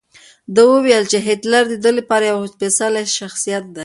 ده وویل چې هېټلر د ده لپاره یو سپېڅلی شخصیت دی.